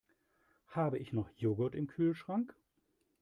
Habe ich noch Joghurt im Kühlschrank?